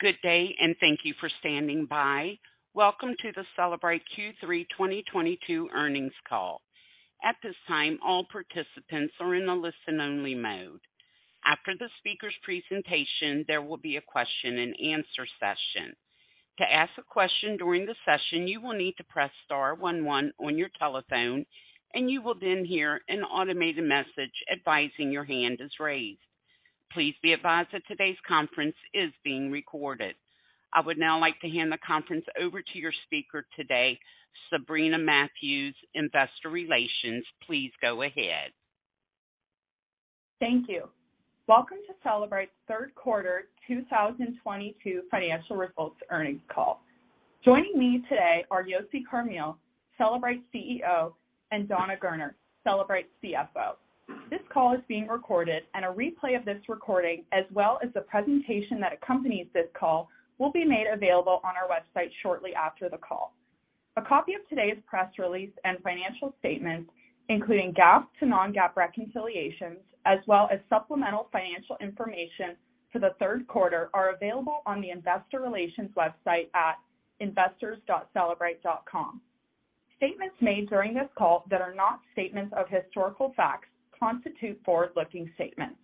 Good day, thank you for standing by. Welcome to the Cellebrite Q3 2022 earnings call. At this time, all participants are in a listen-only mode. After the speaker's presentation, there will be a question-and-answer session. To ask a question during the session, you will need to press star one one on your telephone, and you will then hear an automated message advising your hand is raised. Please be advised that today's conference is being recorded. I would now like to hand the conference over to your speaker today, Sabrina Mathews, Investor Relations. Please go ahead. Thank you. Welcome to Cellebrite's third quarter 2022 financial results earnings call. Joining me today are Yossi Carmil, Cellebrite's CEO, and Dana Gerner, Cellebrite's CFO. This call is being recorded, and a replay of this recording, as well as the presentation that accompanies this call, will be made available on our website shortly after the call. A copy of today's press release and financial statements, including GAAP to non-GAAP reconciliations, as well as supplemental financial information for the third quarter, are available on the Investor Relations website at investors.cellebrite.com. Statements made during this call that are not statements of historical facts constitute forward-looking statements.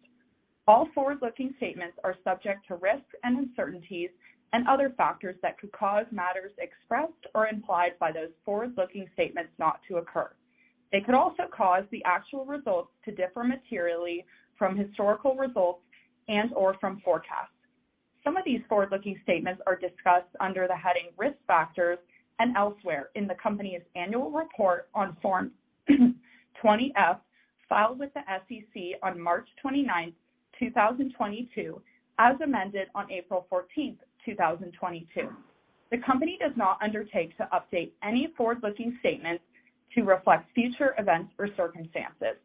All forward-looking statements are subject to risks and uncertainties and other factors that could cause matters expressed or implied by those forward-looking statements not to occur. They could also cause the actual results to differ materially from historical results and/or from forecasts. Some of these forward-looking statements are discussed under the heading Risk Factors and elsewhere in the company's annual report on Form 20-F, filed with the SEC on March 29th, 2022, as amended on April 14th, 2022. The company does not undertake to update any forward-looking statements to reflect future events or circumstances.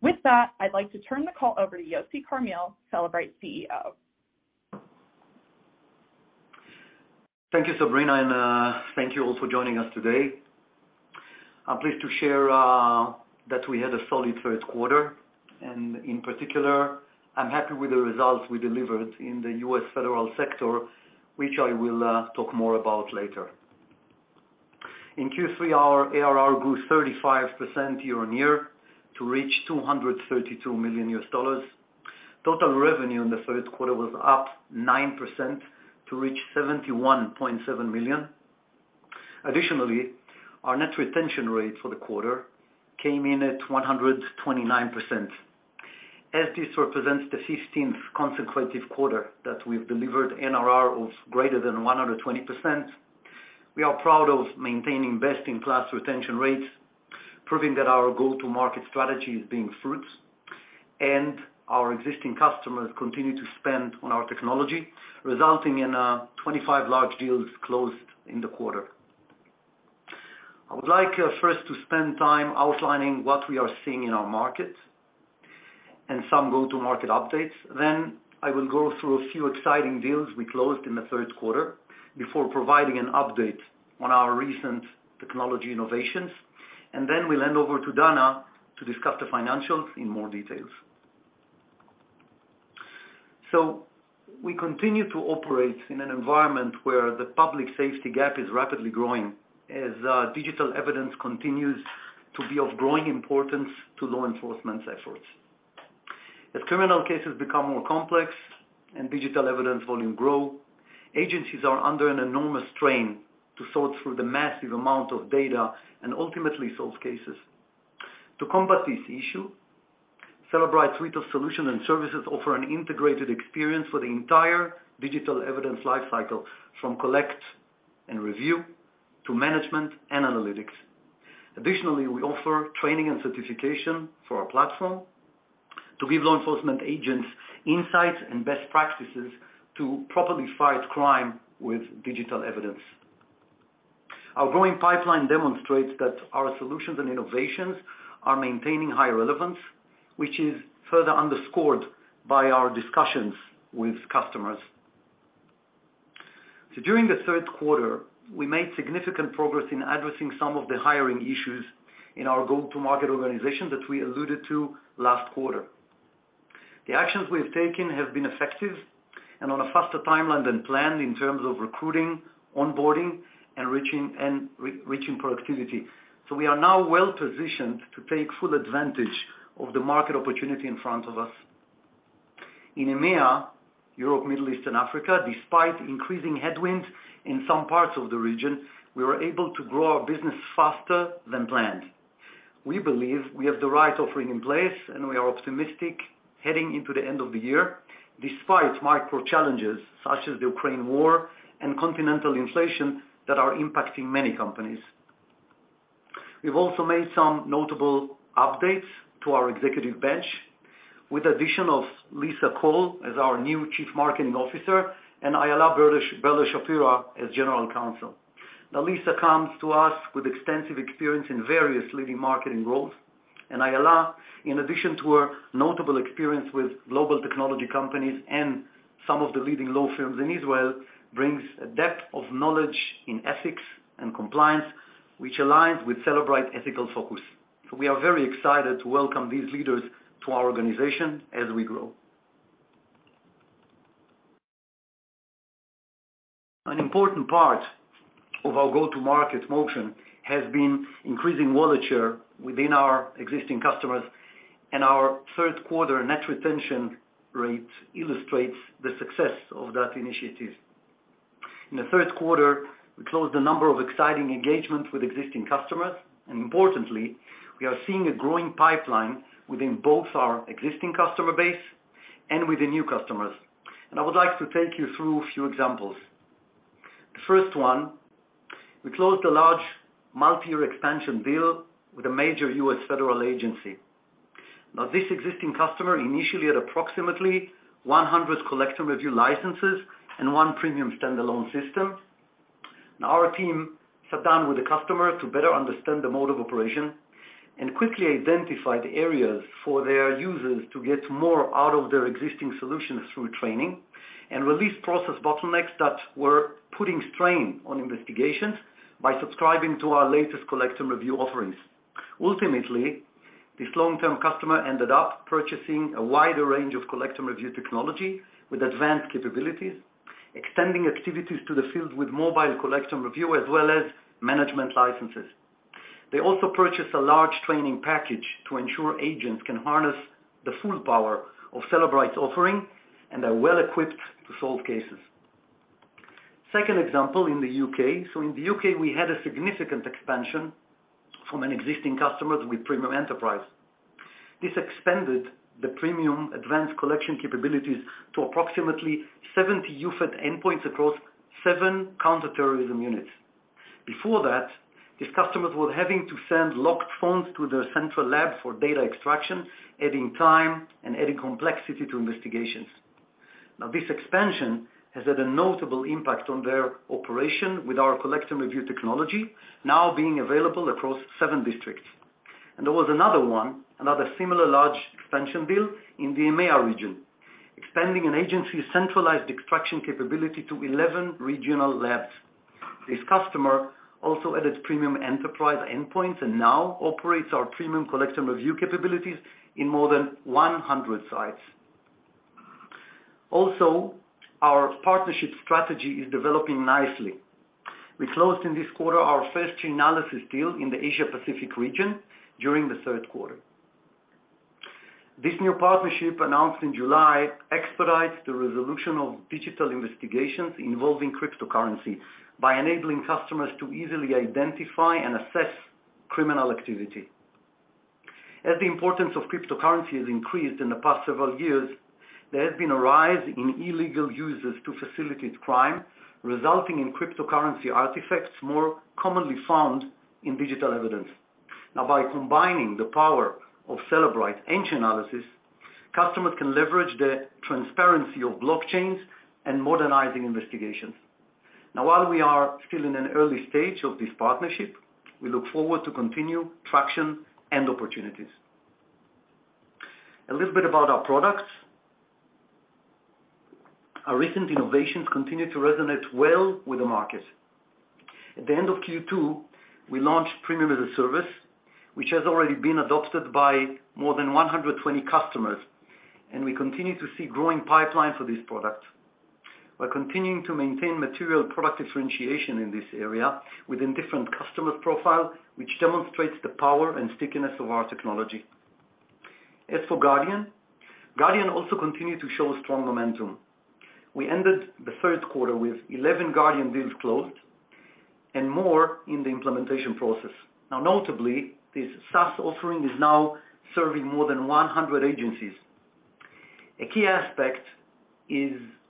With that, I'd like to turn the call over to Yossi Carmil, Cellebrite's CEO. Thank you, Sabrina, and thank you all for joining us today. I'm pleased to share that we had a solid third quarter, and in particular, I'm happy with the results we delivered in the U.S. federal sector, which I will talk more about later. In Q3, our ARR grew 35% year-on-year to reach $232 million. Total revenue in the third quarter was up 9% to reach $71.7 million. Additionally, our net retention rate for the quarter came in at 129%. As this represents the 15th consecutive quarter that we've delivered NRR of greater than 120%, we are proud of maintaining best-in-class retention rates, proving that our go-to-market strategy is bearing fruits and our existing customers continue to spend on our technology, resulting in 25 large deals closed in the quarter. I would like first to spend time outlining what we are seeing in our market and some go-to-market updates. I will go through a few exciting deals we closed in the third quarter before providing an update on our recent technology innovations, and then we'll hand over to Dana to discuss the financials in more details. We continue to operate in an environment where the public safety gap is rapidly growing as digital evidence continues to be of growing importance to law enforcement's efforts. As criminal cases become more complex and digital evidence volume grow, agencies are under an enormous strain to sort through the massive amount of data and ultimately solve cases. To combat this issue, Cellebrite's suite of solution and services offer an integrated experience for the entire digital evidence lifecycle, from Collect & Review to Management and Analytics. Additionally, we offer training and certification for our platform to give law enforcement agents insights and best practices to properly fight crime with digital evidence. Our growing pipeline demonstrates that our solutions and innovations are maintaining high relevance, which is further underscored by our discussions with customers. During the third quarter, we made significant progress in addressing some of the hiring issues in our go-to-market organization that we alluded to last quarter. The actions we have taken have been effective and on a faster timeline than planned in terms of recruiting, onboarding, and reaching, and re-reaching productivity. We are now well-positioned to take full advantage of the market opportunity in front of us. In EMEA, Europe, Middle East, and Africa, despite increasing headwinds in some parts of the region, we were able to grow our business faster than planned. We believe we have the right offering in place, and we are optimistic heading into the end of the year, despite macro challenges such as the Ukraine war and continental inflation that are impacting many companies. We've also made some notable updates to our executive bench with the addition of Lisa Cole as our new Chief Marketing Officer and Ayala Berler-Shapira as General Counsel. Now, Lisa comes to us with extensive experience in various leading marketing roles, and Ayala, in addition to her notable experience with global technology companies and some of the leading law firms in Israel, brings a depth of knowledge in ethics and compliance, which aligns with Cellebrite ethical focus. We are very excited to welcome these leaders to our organization as we grow. An important part of our go-to-market motion has been increasing wallet share within our existing customers, and our third quarter net retention rate illustrates the success of that initiative. In the third quarter, we closed a number of exciting engagements with existing customers, and importantly, we are seeing a growing pipeline within both our existing customer base and with the new customers. I would like to take you through a few examples. The first one, we closed a large multi-year expansion deal with a major U.S. federal agency. Now, this existing customer initially had approximately 100 Collect & Review licenses and one Premium standalone system. Now our team sat down with the customer to better understand the mode of operation and quickly identified areas for their users to get more out of their existing solutions through training and release process bottlenecks that were putting strain on investigations by subscribing to our latest Collect & Review offerings. Ultimately, this long-term customer ended up purchasing a wider range of Collect & Review technology with advanced capabilities, extending activities to the field with mobile Collect & Review, as well as management licenses. They also purchased a large training package to ensure agents can harness the full power of Cellebrite's offering and are well-equipped to solve cases. Second example in the U.K. In the U.K., we had a significant expansion from an existing customers with Premium Enterprise. This expanded the premium advanced collection capabilities to approximately 70 UFED endpoints across seven counterterrorism units. Before that, these customers were having to send locked phones to their central lab for data extraction, adding time and adding complexity to investigations. Now, this expansion has had a notable impact on their operation, with our Collect & Review technology now being available across seven districts. There was another one, another similar large expansion deal in the EMEA region, expanding an agency's centralized extraction capability to 11 regional labs. This customer also added Premium Enterprise endpoints and now operates our Premium Collect & Review capabilities in more than 100 sites. Also, our partnership strategy is developing nicely. We closed in this quarter our first Chainalysis deal in the Asia Pacific region during the third quarter. This new partnership, announced in July, expedites the resolution of digital investigations involving cryptocurrency by enabling customers to easily identify and assess criminal activity. As the importance of cryptocurrency has increased in the past several years, there has been a rise in illegal users to facilitate crime, resulting in cryptocurrency artifacts more commonly found in digital evidence. Now, by combining the power of Cellebrite Chainalysis, customers can leverage the transparency of blockchains and modernizing investigations. Now, while we are still in an early stage of this partnership, we look forward to continued traction and opportunities. A little bit about our products. Our recent innovations continue to resonate well with the market. At the end of Q2, we launched Premium as a Service, which has already been adopted by more than 120 customers, and we continue to see growing pipeline for these products. We're continuing to maintain material product differentiation in this area within different customer profiles, which demonstrates the power and stickiness of our technology. As for Guardian also continued to show strong momentum. We ended the third quarter with 11 Guardian deals closed and more in the implementation process. Now notably, this SaaS offering is now serving more than 100 agencies. A key aspect,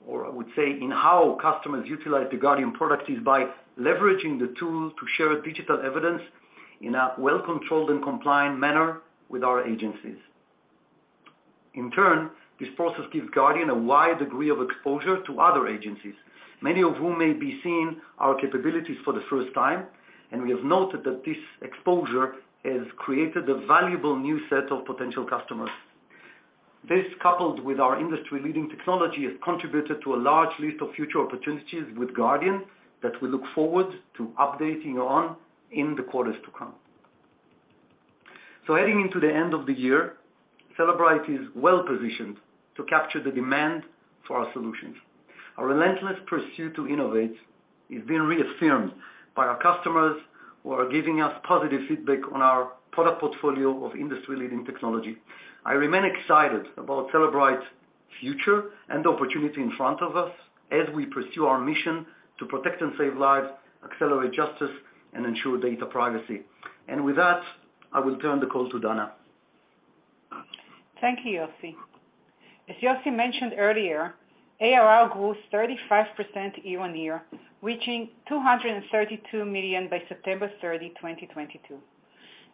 or I would say, in how customers utilize the Guardian product, is by leveraging the tool to share digital evidence in a well-controlled and compliant manner with our agencies. In turn, this process gives Guardian a wide degree of exposure to other agencies, many of whom may be seeing our capabilities for the first time. We have noted that this exposure has created a valuable new set of potential customers. This, coupled with our industry-leading technology, has contributed to a large list of future opportunities with Guardian that we look forward to updating you on in the quarters to come. Heading into the end of the year, Cellebrite is well-positioned to capture the demand for our solutions. Our relentless pursuit to innovate is being reaffirmed by our customers who are giving us positive feedback on our product portfolio of industry-leading technology. I remain excited about Cellebrite's future and the opportunity in front of us as we pursue our mission to protect and save lives, accelerate justice, and ensure data privacy. With that, I will turn the call to Dana. Thank you, Yossi. As Yossi mentioned earlier, ARR grew 35% year-on-year, reaching $232 million by September 30, 2022.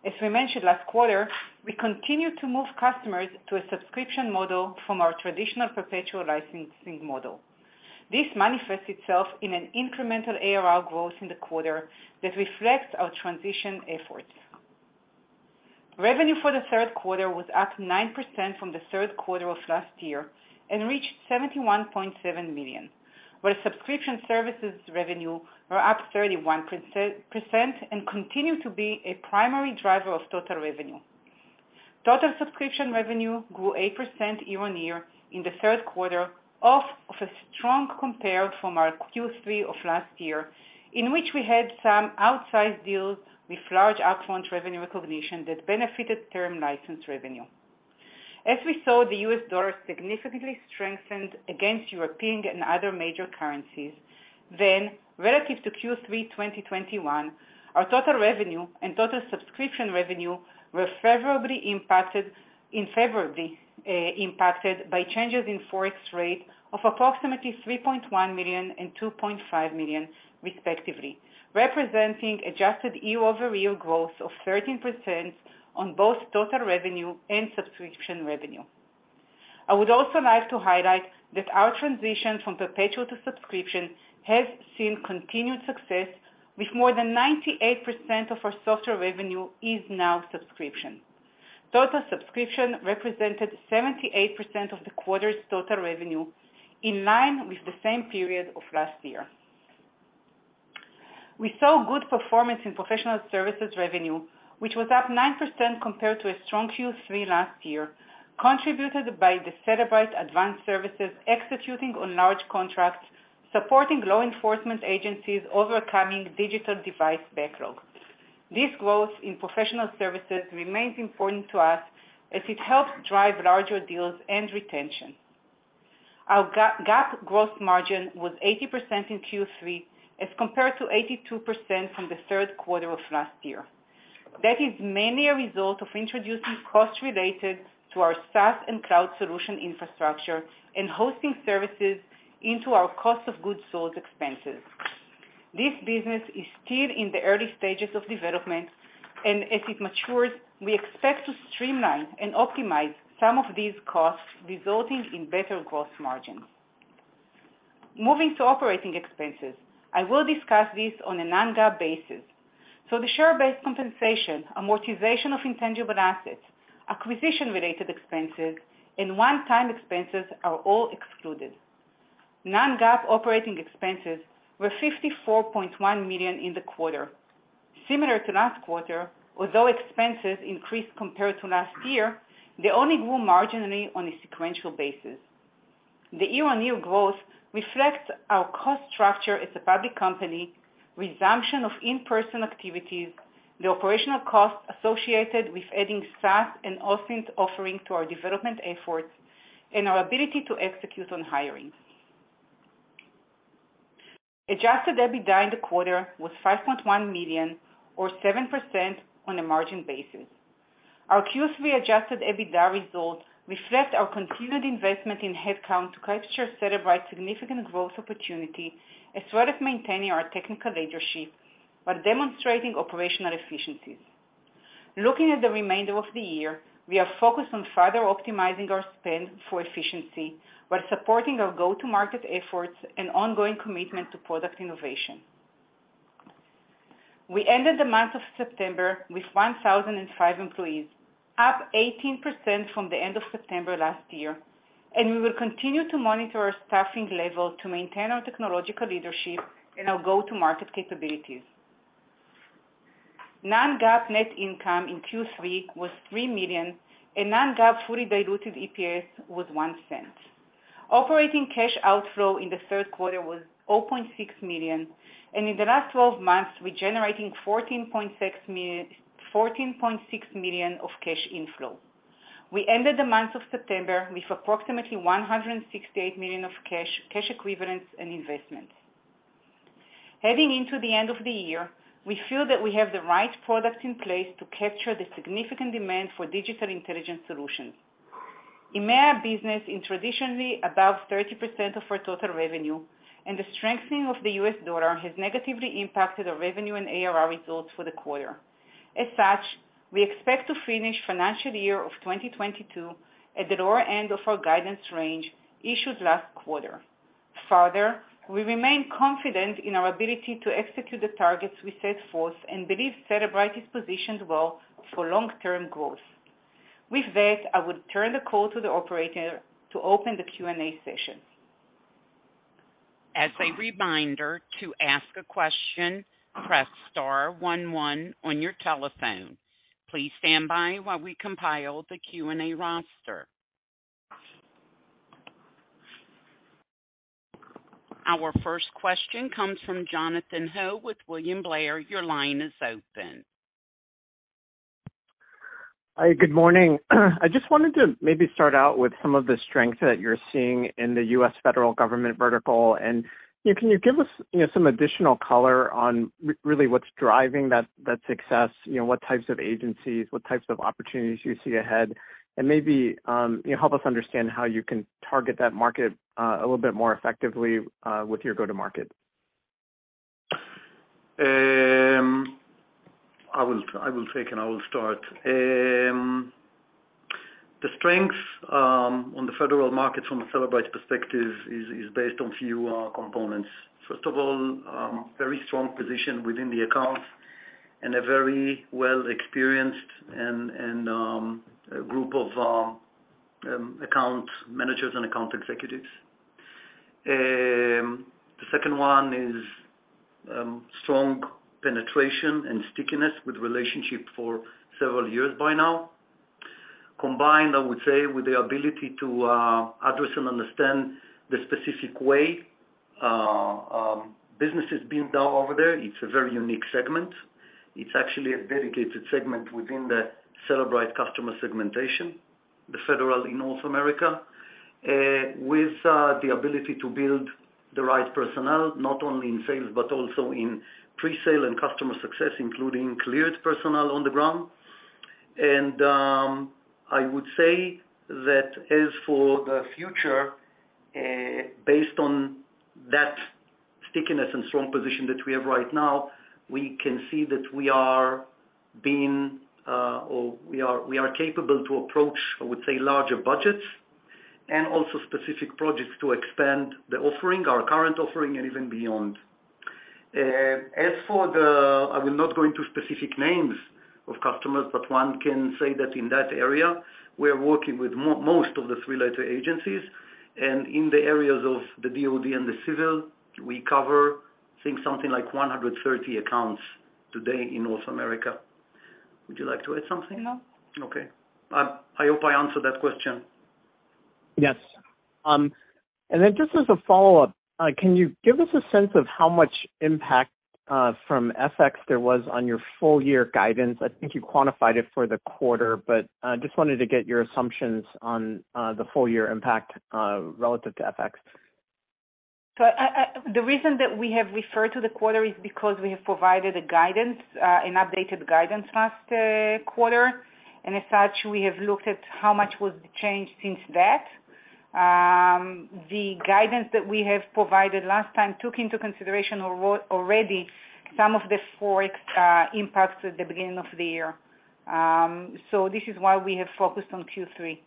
As we mentioned last quarter, we continue to move customers to a subscription model from our traditional perpetual licensing model. This manifests itself in an incremental ARR growth in the quarter that reflects our transition efforts. Revenue for the third quarter was up 9% from the third quarter of last year and reached $71.7 million, where subscription services revenue were up 31% and continue to be a primary driver of total revenue. Total subscription revenue grew 8% year-on-year in the third quarter off of a strong compare from our Q3 of last year, in which we had some outsized deals with large upfront revenue recognition that benefited term license revenue. As we saw, the U.S. dollar significantly strengthened against European and other major currencies. Relative to Q3 2021, our total revenue and total subscription revenue were infavorably impacted by changes in ForEx rate of approximately $3.1 million and $2.5 million respectively, representing adjusted year-over-year growth of 13% on both total revenue and subscription revenue. I would also like to highlight that our transition from perpetual to subscription has seen continued success, with more than 98% of our software revenue is now subscription. Total subscription represented 78% of the quarter's total revenue, in line with the same period of last year. We saw good performance in professional services revenue, which was up 9% compared to a strong Q3 last year, contributed by the Cellebrite Advanced Services executing on large contracts, supporting law enforcement agencies overcoming digital device backlog. This growth in professional services remains important to us as it helps drive larger deals and retention. Our GAAP gross margin was 80% in Q3 as compared to 82% from the third quarter of last year. That is mainly a result of introducing costs related to our SaaS and cloud solution infrastructure and hosting services into our cost of goods sold expenses. This business is still in the early stages of development, and as it matures, we expect to streamline and optimize some of these costs, resulting in better gross margin. Moving to operating expenses, I will discuss this on a non-GAAP basis. The share-based compensation, amortization of intangible assets, acquisition-related expenses, and one-time expenses are all excluded. Non-GAAP operating expenses were $54.1 million in the quarter. Similar to last quarter, although expenses increased compared to last year, they only grew marginally on a sequential basis. The year-on-year growth reflects our cost structure as a public company, resumption of in-person activities, the operational costs associated with adding SaaS and OSINT offering to our development efforts, and our ability to execute on hiring. Adjusted EBITDA in the quarter was $5.1 million or 7% on a margin basis. Our Q3 adjusted EBITDA results reflect our continued investment in headcount to capture Cellebrite's significant growth opportunity, as well as maintaining our technical leadership while demonstrating operational efficiencies. Looking at the remainder of the year, we are focused on further optimizing our spend for efficiency while supporting our go-to-market efforts and ongoing commitment to product innovation. We ended the month of September with 1,005 employees, up 18% from the end of September last year. We will continue to monitor our staffing level to maintain our technological leadership and our go-to-market capabilities. Non-GAAP net income in Q3 was $3 million. Non-GAAP fully diluted EPS was $0.01. Operating cash outflow in the third quarter was $600,000. In the last 12 months, we're generating $14.6 million of cash inflow. We ended the month of September with approximately $168 million of cash equivalents and investments. Heading into the end of the year, we feel that we have the right products in place to capture the significant demand for digital intelligence solutions. EMEA business is traditionally above 30% of our total revenue, and the strengthening of the U.S. dollar has negatively impacted our revenue and ARR results for the quarter. As such, we expect to finish financial year of 2022 at the lower end of our guidance range issued last quarter. Further, we remain confident in our ability to execute the targets we set forth and believe Cellebrite is positioned well for long-term growth. With that, I would turn the call to the operator to open the Q&A session. As a reminder, to ask a question, press star one one on your telephone. Please stand by while we compile the Q&A roster. Our first question comes from Jonathan Ho with William Blair. Your line is open. Hi, good morning. I just wanted to maybe start out with some of the strength that you're seeing in the U.S. federal government vertical. You know, can you give us, you know, some additional color on really what's driving that success, you know, what types of agencies, what types of opportunities you see ahead, and maybe, you know, help us understand how you can target that market a little bit more effectively with your go-to-market? I will take and I will start. The strength on the federal markets, from a Cellebrite perspective, is based on few components. First of all, very strong position within the accounts and a very well-experienced and group of account managers and account executives. The second one is strong penetration and stickiness with relationship for several years by now. Combined, I would say, with the ability to address and understand the specific way business is being done over there. It's a very unique segment. It's actually a dedicated segment within the Cellebrite customer segmentation, the federal in North America, with the ability to build the right personnel, not only in sales but also in pre-sale and customer success, including cleared personnel on the ground. I would say that as for the future, based on that stickiness and strong position that we have right now, we can see that we are capable to approach, I would say, larger budgets and also specific projects to expand our current offering and even beyond. I will not go into specific names of customers, but one can say that in that area we are working with most of the three-letter agencies. In the areas of the DOD and the civil, we cover, I think, something like 130 accounts today in North America. Would you like to add something? No. Okay. I hope I answered that question. Yes. Just as a follow-up, can you give us a sense of how much impact from FX there was on your full-year guidance? I think you quantified it for the quarter, but just wanted to get your assumptions on the full-year impact relative to FX. The reason that we have referred to the quarter is because we have provided an updated guidance last quarter, and as such, we have looked at how much was changed since that. The guidance that we have provided last time took into consideration already some of the ForEx impacts at the beginning of the year. This is why we have focused on Q3.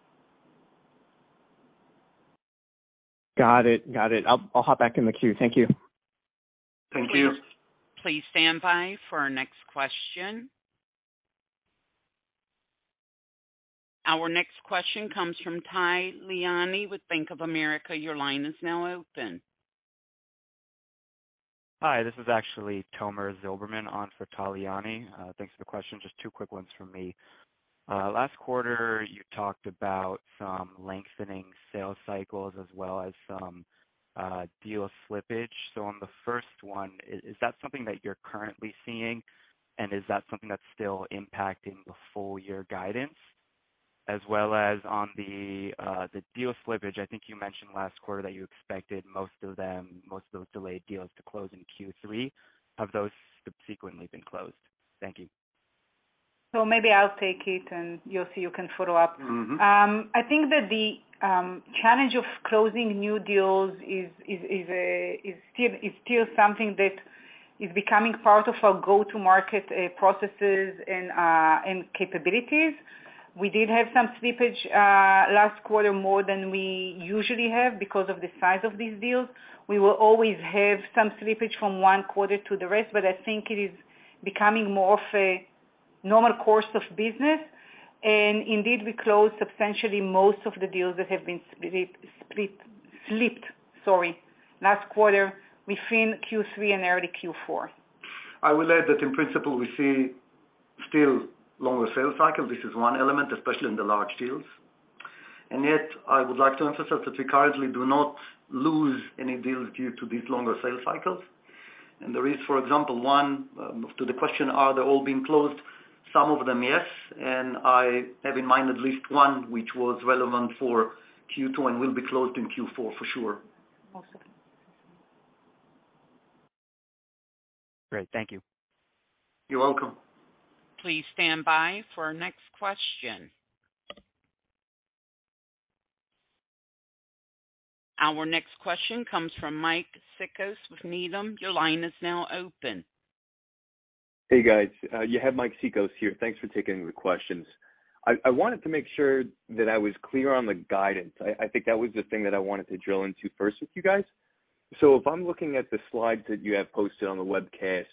Got it. I'll hop back in the queue. Thank you. Thank you. Please stand by for our next question. Our next question comes from Tal Liani with Bank of America. Your line is now open. Hi, this is actually Tomer Zilberman on for Tal Liani. Thanks for the question. Just two quick ones from me. Last quarter you talked about some lengthening sales cycles as well as some deal slippage. On the first one, is that something that you're currently seeing, and is that something that's still impacting the full-year guidance? As well as on the deal slippage, I think you mentioned last quarter that you expected most of those delayed deals to close in Q3. Have those subsequently been closed? Thank you. Maybe I'll take it, and Yossi, you can follow up. Mm-hmm. I think that the challenge of closing new deals is still something that is becoming part of our go-to-market processes and capabilities. We did have some slippage last quarter, more than we usually have because of the size of these deals. We will always have some slippage from one quarter to the rest, but I think it is becoming more of a normal course of business. Indeed, we closed substantially most of the deals that have been slipped last quarter between Q3 and already Q4. I will add that, in principle, we see still longer sales cycle. This is one element, especially in the large deals. Yet I would like to emphasize that we currently do not lose any deals due to these longer sales cycles. There is, for example, one, to the question, are they all being closed? Some of them, yes. I have in mind at least one which was relevant for Q2 and will be closed in Q4 for sure. Also. Great. Thank you. You're welcome. Please stand by for our next question. Our next question comes from Mike Cikos with Needham. Your line is now open. Hey, guys. You have Mike Cikos here. Thanks for taking the questions. I wanted to make sure that I was clear on the guidance. I think that was the thing that I wanted to drill into first with you guys. If I'm looking at the slides that you have posted on the webcast,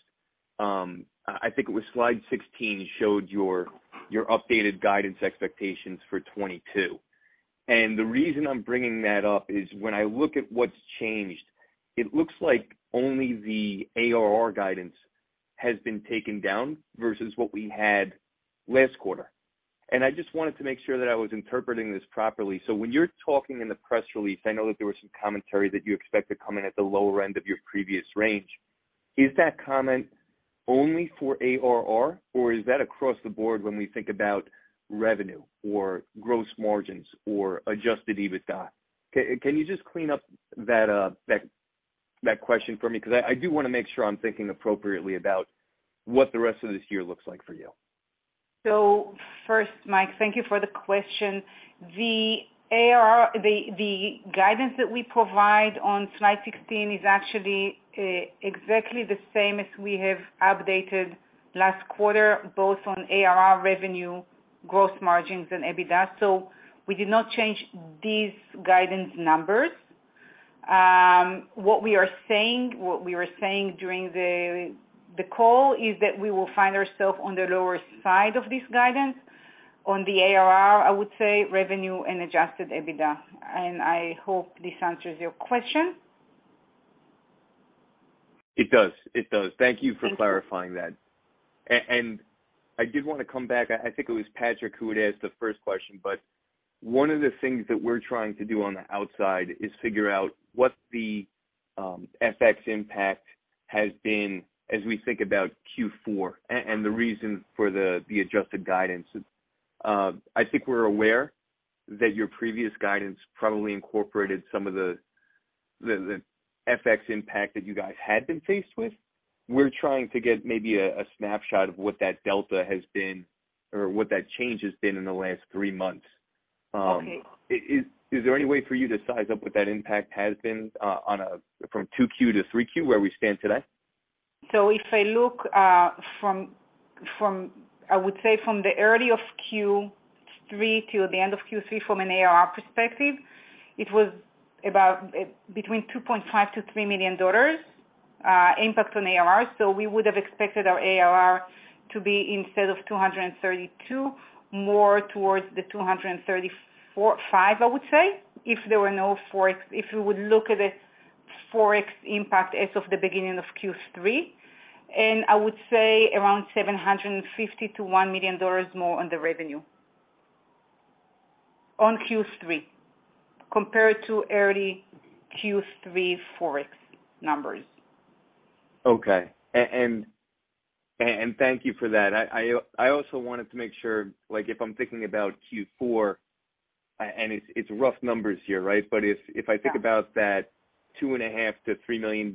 I think it was slide 16 showed your updated guidance expectations for 2022. The reason I'm bringing that up is when I look at what's changed, it looks like only the ARR guidance has been taken down versus what we had last quarter. I just wanted to make sure that I was interpreting this properly. When you're talking in the press release, I know that there was some commentary that you expect to come in at the lower end of your previous range. Is that comment only for ARR, or is that across the board when we think about revenue or gross margins or adjusted EBITDA? Can you just clean up that question for me? 'Cause I do wanna make sure I'm thinking appropriately about what the rest of this year looks like for you. First, Mike, thank you for the question. The ARR guidance that we provide on slide 16 is actually exactly the same as we have updated last quarter, both on ARR revenue, gross margins and EBITDA. We did not change these guidance numbers. What we were saying during the call is that we will find ourselves on the lower side of this guidance on the ARR, I would say revenue and adjusted EBITDA, and I hope this answers your question. It does. Thank you for clarifying that. I did wanna come back. I think it was Jonathan Ho who had asked the first question. One of the things that we're trying to do on the outside is figure out what the FX impact has been as we think about Q4 and the reason for the adjusted guidance. I think we're aware that your previous guidance probably incorporated some of the FX impact that you guys had been faced with. We're trying to get maybe a snapshot of what that delta has been or what that change has been in the last three months. Okay. Is there any way for you to size up what that impact has been from 2Q to 3Q, where we stand today? If I look from the early of Q3 to the end of Q3 from an ARR perspective, it was about between $2.5 million-$3 million impact on ARR, so we would have expected our ARR to be instead of $232 million, more towards the $234 million-$235 million, I would say, if there were no ForEx. If you would look at it, ForEx impact as of the beginning of Q3, and I would say around $750,000-$1 million more on the revenue. On Q3, compared to early Q3 ForEx numbers. Okay. Thank you for that. I also wanted to make sure, like if I'm thinking about Q4, and it's rough numbers here, right? If I think about that $2.5 million-$3 million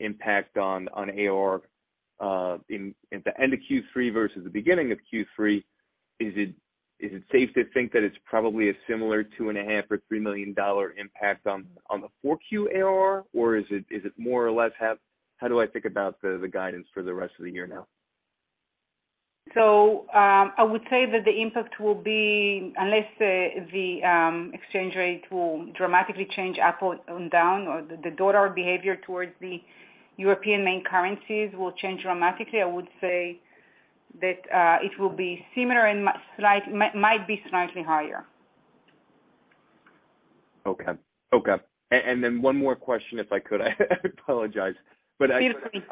impact on ARR at the end of Q3 versus the beginning of Q3, is it safe to think that it's probably a similar $2.5 million-$3 million impact on the 4Q ARR, or is it more or less half? How do I think about the guidance for the rest of the year now? I would say that the impact will be, unless the exchange rate will dramatically change up or down, or the U.S. dollar behavior towards the European main currencies will change dramatically, I would say that it will be similar and might be slightly higher. Okay. One more question, if I could. I apologize. Absolutely.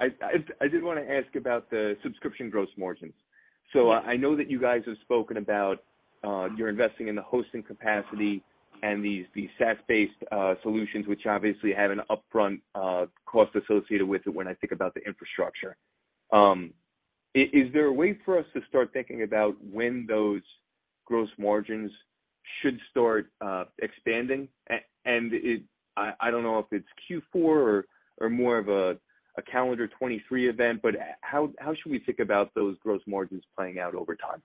I did wanna ask about the subscription gross margins. I know that you guys have spoken about you're investing in the hosting capacity and the SaaS-based solutions, which obviously have an upfront cost associated with it when I think about the infrastructure. Is there a way for us to start thinking about when those gross margins should start expanding? I don't know if it's Q4 or more of a calendar 2023 event, but how should we think about those gross margins playing out over time?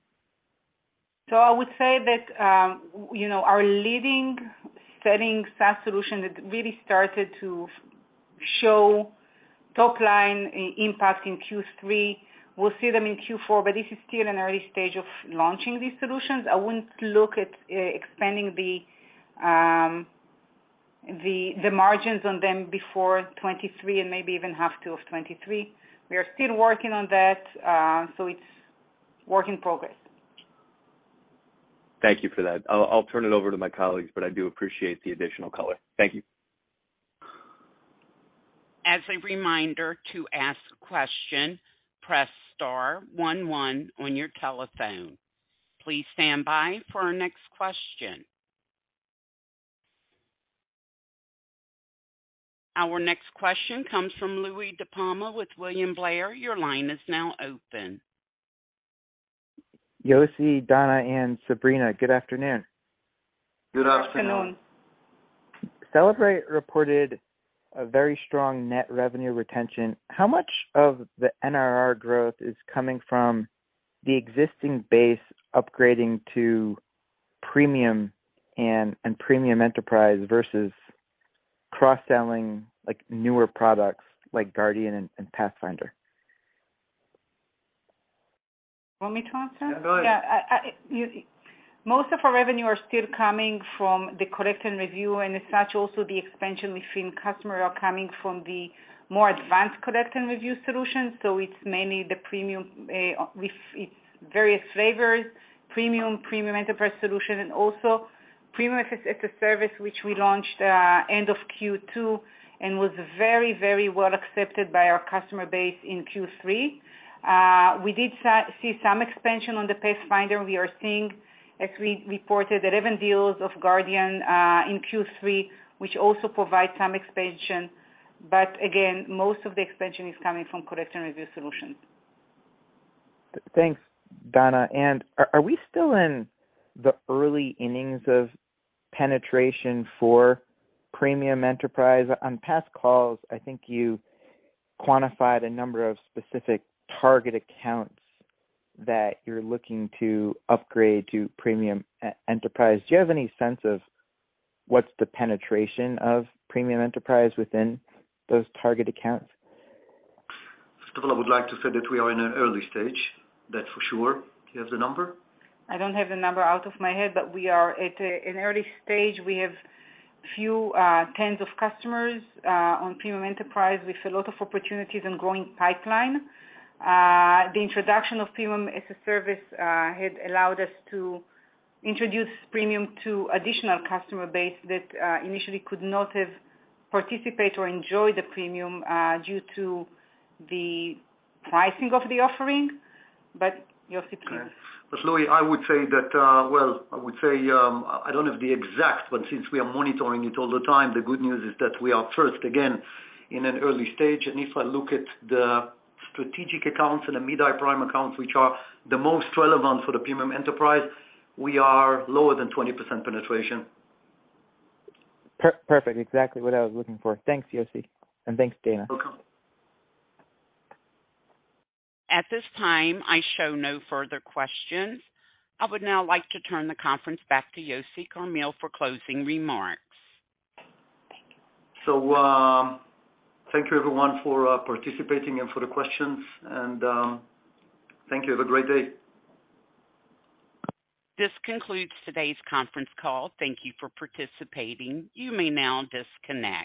I would say that, you know, our leading selling SaaS solution has really started to show top-line impact in Q3. We'll see them in Q4, but this is still an early stage of launching these solutions. I wouldn't look at expanding the margins on them before 2023 and maybe even half two of 2023. We are still working on that. It's work in progress. Thank you for that. I'll turn it over to my colleagues, but I do appreciate the additional color. Thank you. As a reminder, to ask question, press star one one on your telephone. Please stand by for our next question. Our next question comes from Louie DiPalma with William Blair. Your line is now open. Yossi, Dana, and Sabrina, good afternoon. Good afternoon. Good afternoon. Cellebrite reported a very strong net revenue retention. How much of the NRR growth is coming from the existing base upgrading to Premium and Premium Enterprise versus cross-selling like newer products like Guardian and Pathfinder? You want me to answer? Yeah, go ahead. Most of our revenue are still coming from the Collect & Review, and as such, also the expansion we see in customer are coming from the more advanced Collect & Review solutions. It's mainly the Premium with its various flavors, Premium Enterprise solution, and also Premium as a Service which we launched end of Q2 and was very well accepted by our customer base in Q3. We did see some expansion on the Pathfinder. We are seeing, as we reported, the revenue deals of Guardian in Q3, which also provide some expansion. Again, most of the expansion is coming from Collect & Review solutions. Thanks, Dana. Are we still in the early innings of penetration for Premium Enterprise? On past calls, I think you quantified a number of specific target accounts that you're looking to upgrade to Premium Enterprise. Do you have any sense of what's the penetration of Premium Enterprise within those target accounts? First of all, I would like to say that we are in an early stage, that's for sure. Do you have the number? I don't have the number out of my head, but we are at an early stage. We have few tens of customers on Premium Enterprise with a lot of opportunities and growing pipeline. The introduction of Premium as a Service had allowed us to introduce Premium to additional customer base that initially could not have participate or enjoy the Premium due to the pricing of the offering. Yossi, please. Yes. Louie, well, I would say, I don't have the exact, but since we are monitoring it all the time, the good news is that we are first, again, in an early stage. If I look at the strategic accounts and the mid-high prime accounts, which are the most relevant for the Premium Enterprise, we are lower than 20% penetration. Perfect. Exactly what I was looking for. Thanks, Yossi. Thanks, Dana. You're welcome. At this time, I show no further questions. I would now like to turn the conference back to Yossi Carmil for closing remarks. Thank you. Thank you, everyone, for participating and for the questions, and thank you. Have a great day. This concludes today's conference call. Thank you for participating. You may now disconnect.